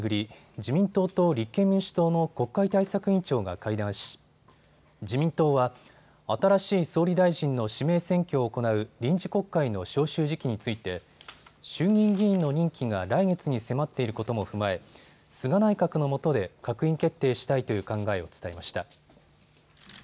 自民党と立憲民主党の国会対策委員長が会談し自民党は新しい総理大臣の指名選挙を行う臨時国会の召集時期について衆議院議員の任期が来月に迫っていることも踏まえ、菅内閣のもとで閣議決定したいという考えを伝えました。